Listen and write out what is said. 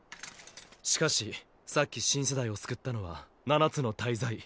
しかしさっき新世代を救ったのは七つの大罪。